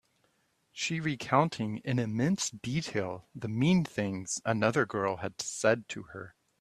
She recounting in immense detail the mean things another girl had said to her.